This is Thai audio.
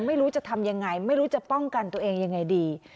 ไม่รู้จะทำยังไงไม่รู้จะป้องกันตัวเองยังไงดี